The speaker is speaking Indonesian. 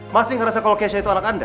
masih ngerasa kalau keisha itu anak anda